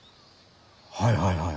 はいはいはい。